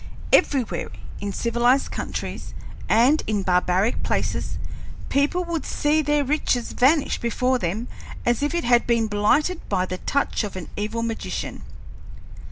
Everywhere, in civilized countries and in barbaric palaces, people would see their riches vanish before them as if it had been blighted by the touch of an evil magician."